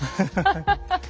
ハハハッ。